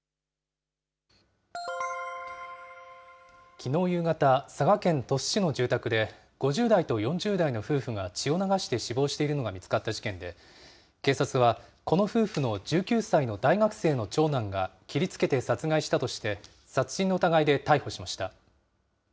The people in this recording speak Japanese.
きのう夕方、佐賀県鳥栖市の住宅で、５０代と４０代の夫婦が血を流して死亡しているのが見つかった事件で、警察は、この夫婦の１９歳の大学生の長男が切りつけて殺害したとして、殺人の疑いで逮捕しました。